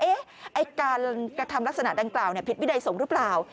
ไอ้การกระทำลักษณะดังกล่าวผิดวินัยสงฆ์หรือเปล่า